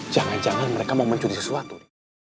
jangan jangan mereka mau mencuri sesuatu